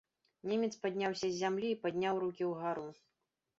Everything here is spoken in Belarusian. Немец падняўся з зямлі і падняў рукі ўгару.